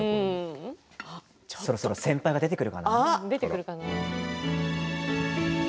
そろそろ先輩が出てくるかな。